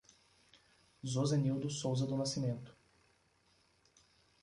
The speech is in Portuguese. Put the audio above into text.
Zosenildo Souza do Nascimento